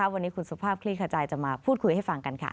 วันนี้คุณสุภาพคลี่ขจายจะมาพูดคุยให้ฟังกันค่ะ